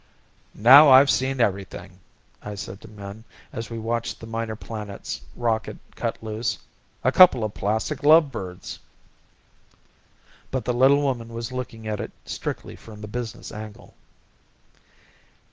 "Now I've seen everything," I said to Min as we watched the Minor Planets rocket cut loose. "A couple of plastic lovebirds." But the little woman was looking at it strictly from the business angle.